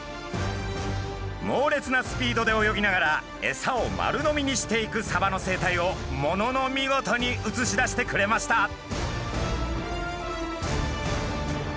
もうれつなスピードで泳ぎながらエサを丸飲みにしていくサバの生態をものの見事に写し出してくれました。